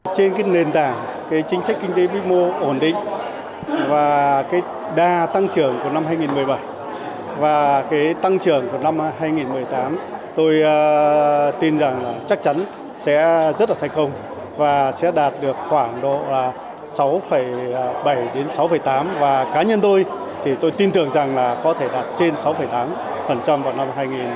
trên nền tảng chính sách kinh tế bí mô ổn định và đa tăng trưởng của năm hai nghìn một mươi bảy và tăng trưởng của năm hai nghìn một mươi tám tôi tin rằng chắc chắn sẽ rất là thành công và sẽ đạt được khoảng độ sáu bảy đến sáu tám và cá nhân tôi thì tôi tin tưởng rằng có thể đạt trên sáu tám vào năm hai nghìn một mươi tám